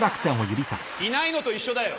いないのと一緒だよ！